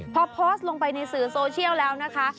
พอโพสต์ลงไปในสื่อโซเชียลแล้วนะคะ